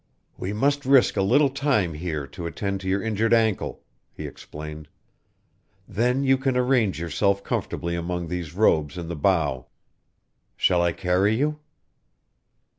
"We must risk a little time here to attend to your injured ankle," he explained. "Then you can arrange yourself comfortably among these robes in the bow. Shall I carry you?"